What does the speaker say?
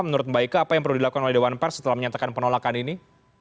menurut mbak ika apa yang perlu dilakukan oleh dewan pers setelah menyatakan penolakan ini